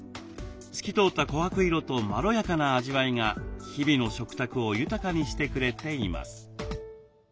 透き通った琥珀色とまろやかな味わいが日々の食卓を豊かにしてくれています。